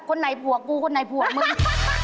คนไหนผัวกูคนไหนผัวมึง